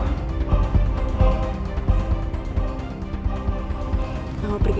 mas tolong aku gak bersalah